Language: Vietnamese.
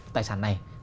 tài sản này